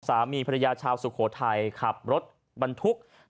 สามีภรรยาชาวสุโขทัยขับรถบรรทุก